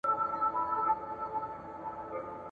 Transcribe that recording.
زه کرار درنیژدې کېږم له تنې دي بېلومه !.